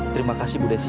terima kasih bu desi